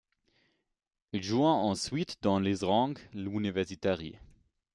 Il joue ensuite dans les rangs de l'Universitari.